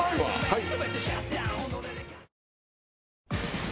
はい！